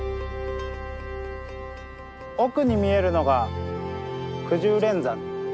奥に見えるのがくじゅう連山。